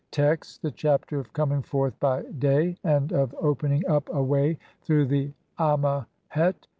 Text: (1) The Chapter of coming forth by day and of OPENING UP A WAY THROUGH THE AmMEHET.